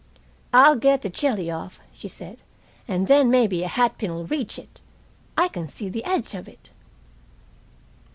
"I'll get the jelly off," she said, "and then maybe a hat pin'll reach it. I can see the edge of it."